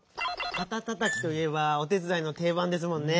「かたたたき」といえばおてつだいのていばんですもんね。